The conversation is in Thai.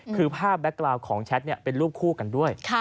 คือภาพแก๊กกราวของแชทเป็นรูปคู่กันด้วย